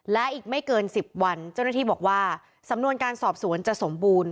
และอีกไม่เกิน๑๐วันเจ้าหน้าที่บอกว่าสำนวนการสอบสวนจะสมบูรณ์